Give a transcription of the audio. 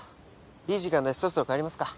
いい時間だしそろそろ帰りますか。